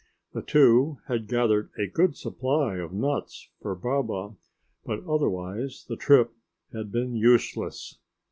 The two had gathered a good supply of nuts for Baba, but otherwise the trip had been useless.